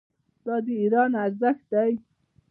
دا د ایران ارزښت دی.